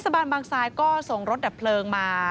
บานบางทรายก็ส่งรถดับเพลิงมา